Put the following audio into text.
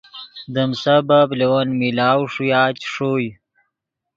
دیم سبب لے ون ملاؤ ݰویا چے ݰوئے